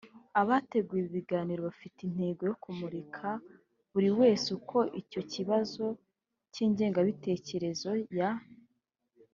abateguye ibi biganiro bafite intego yo kumurikira buri wese uko icyo kibazo cy’ingengabitekerezo ya